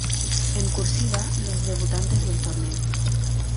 En "cursiva" los debutantes del torneo.